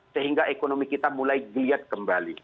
sehingga ekonomi kita mulai geliat kembali